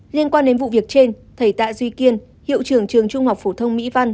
liên quan đến vụ việc trên thầy tạ duy kiên hiệu trưởng trường trung học phổ thông mỹ văn